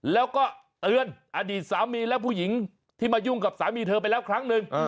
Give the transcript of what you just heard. แล้วก็เตือนอดีตสามีและผู้หญิงที่มายุ่งกับสามีเธอไปแล้วครั้งหนึ่ง